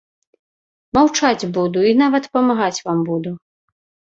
Маўчаць буду і нават памагаць вам буду.